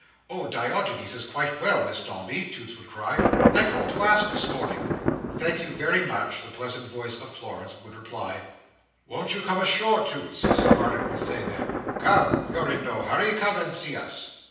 "Oh, Diogenes is quite well, Miss Dombey," Toots would cry. "I called to ask this morning." "Thank you very much!" the pleasant voice of Florence would reply. "Won't you come ashore, Toots?" Sir Barnet would say then. "Come! you're in no hurry. Come and see us."